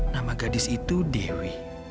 nama gadis itu dewi